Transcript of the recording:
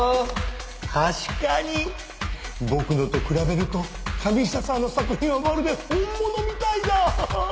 確かに僕のと比べると神下さんの作品はまるで本物みたいだ！